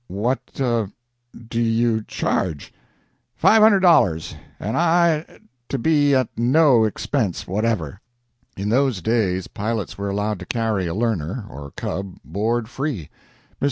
"What do you charge?" "Five hundred dollars, and I to be at no expense whatever." In those days pilots were allowed to carry a learner, or "cub," board free. Mr.